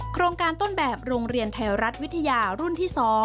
โครงการต้นแบบโรงเรียนไทยรัฐวิทยารุ่นที่๒